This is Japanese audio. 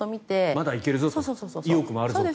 まだ行けるぞ意欲もあるぞと。